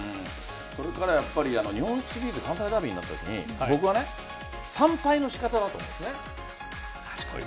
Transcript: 日本シリーズ関西ダービーになったときに３敗の仕方だと思うんです。